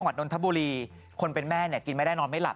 นนทบุรีคนเป็นแม่เนี่ยกินไม่ได้นอนไม่หลับ